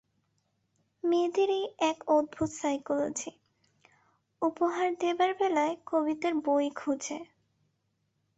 মেয়েদের এই এক অদ্ভুত সাইকোলজি, উপহার দেবার বেলায় কবিতার বই খোঁজে।